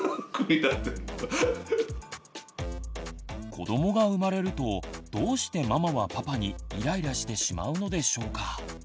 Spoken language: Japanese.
子どもが生まれるとどうしてママはパパにイライラしてしまうのでしょうか？